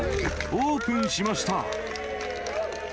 オープンしました。